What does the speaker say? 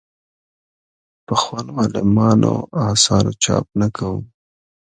پخوانو عالمانو اثارو چاپ نه کوو.